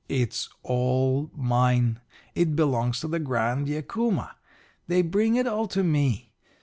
It's all mine. It belongs to the Grand Yacuma. They bring it all to me.